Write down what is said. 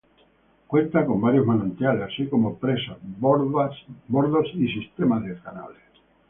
Cuenta con varios manantiales, así como presas, bordos y sistemas de canales.